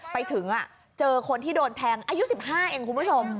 ไปเจอคนที่โดนแทงอายุ๑๕เองคุณผู้ชม